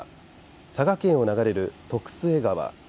佐賀県を流れる徳須恵川